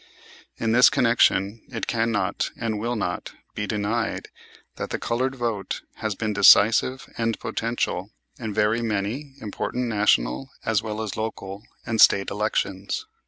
In this connection it cannot and will not be denied that the colored vote has been decisive and potential in very many important National as well as local and State elections.